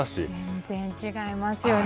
全然違いますよね。